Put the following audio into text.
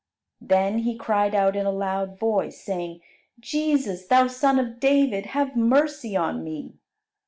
Then he cried out in a loud voice, saying, "Jesus, Thou Son of David, have mercy on me."